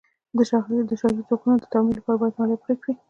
د شاهي ځواکونو د تمویل لپاره باید مالیه پرې کړي.